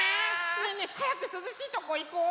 ねえねえはやくすずしいとこいこう！